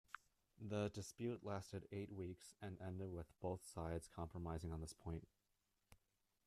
The dispute lasted eight weeks and ended with both sides compromising on this point.